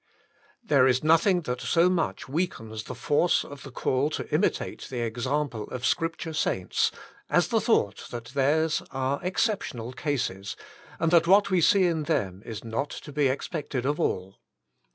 There is nothing that so much weakens the force of the call to imitate the example of Scripture saints, as the thought that theirs are exceptional cases, and that what we see in them is not to be expected of all.